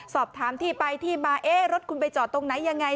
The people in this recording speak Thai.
สอบถามที่ไปที่มาเอ๊ะรถคุณไปจอดตรงไหนยังไง